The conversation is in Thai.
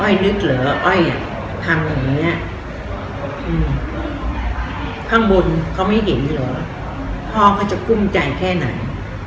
นึกเหรออ้อยอ่ะพังอย่างนี้ข้างบนเขาไม่เห็นเลยเหรอพ่อเขาจะกุ้มใจแค่ไหน